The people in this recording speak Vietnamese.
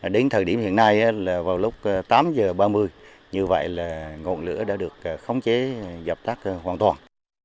đến thời điểm hiện nay là vào lúc tám giờ ba mươi như vậy là ngọn lửa đã được khống chế dập tắt hoàn toàn